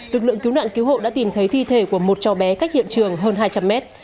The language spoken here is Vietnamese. lực lượng cứu nạn cứu hộ đã tìm thấy thi thể của một cháu bé cách hiện trường hơn hai trăm linh mét